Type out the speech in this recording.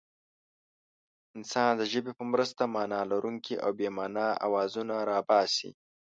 انسان د ژبې په مرسته مانا لرونکي او بې مانا اوازونه را باسي.